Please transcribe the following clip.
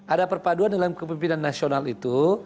ada perpaduan dalam kepemimpinan nasional itu